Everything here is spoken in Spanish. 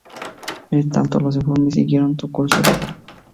En tanto, los informes siguieron su curso legal.